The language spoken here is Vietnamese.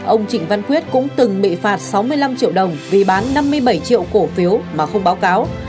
ông trịnh văn quyết cũng từng bị phạt sáu mươi năm triệu đồng vì bán năm mươi bảy triệu cổ phiếu mà không báo cáo